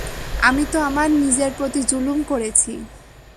আমি তো আমার নিজের প্রতি জুলুম করেছি।